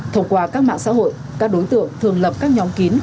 thông qua các mạng xã hội các đối tượng thường lập các nhóm kín